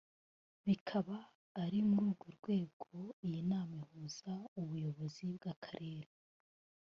bikaba ari muri urwo rwego iyi nama ihuza Ubuyobozi bw’Akarere